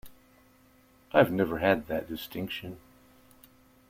I've never had that distinction.